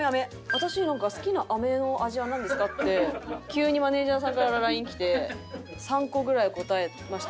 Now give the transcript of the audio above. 私なんか「好きな飴の味はなんですか？」って急にマネジャーさんからＬＩＮＥきて３個ぐらい答えました。